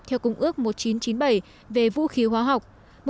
theo cung ước một nghìn chín trăm chín mươi bảy về vũ khí hóa học